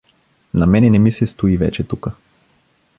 На мене не ми се стои вече тука.